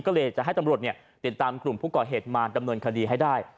ก็เลยจะให้ตำรวจติดตามกลุ่มผู้ก่อเหตุมาดำเนินคดีให้ได้